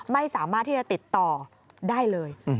ไม่สามารถที่จะติดต่อได้เลย